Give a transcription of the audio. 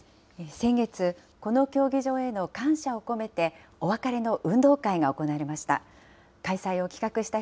先月、この競技場への感謝を込めて、お別れの運動会が行われました。